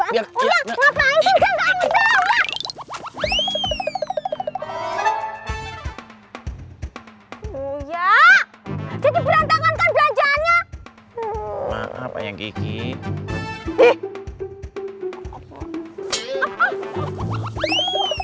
berantakan belajarannya apa yang gigi gigi